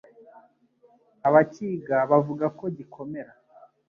Abakiga bavuga ko gikomera